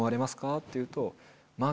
って言うと。